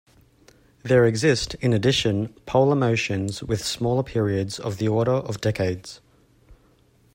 There exist, in addition, polar motions with smaller periods of the order of decades.